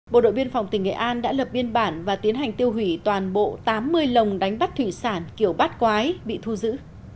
bộ đội biên phòng tỉnh nghệ an đã lập biên bản và tiến hành tiêu hủy toàn bộ tám mươi lồng đánh bắt thủy sản kiểu bát quái bị thu giữ